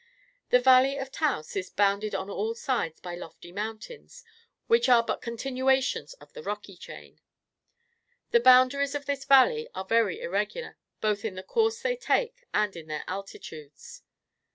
The valley of Taos is bounded on all sides by lofty mountains, which are but continuations of the Rocky chain. The boundaries of this valley are very irregular, both in the course they take and in their altitudes.